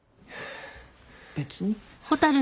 別に。